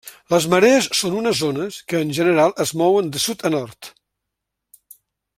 Les marees són unes ones que en general es mouen de sud a nord.